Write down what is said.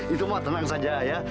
itu mah tenang saja ya